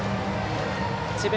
智弁